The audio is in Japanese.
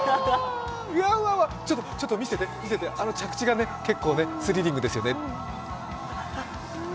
ちょっと見せて、あの着地が結構スリリングですよね。